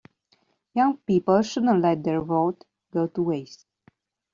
Young people shouldn't let their vote go to waste.